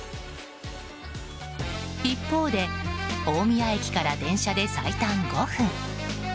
一方で、大宮駅から電車で最短５分。